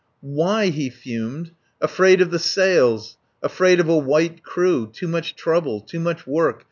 "Why!" he fumed. "Afraid of the sails. Afraid of a white crew. Too much trouble. Too much work.